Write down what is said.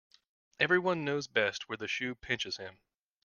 Every one knows best where the shoe pinches him.